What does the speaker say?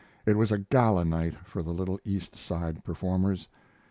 It was a gala night for the little East Side performers.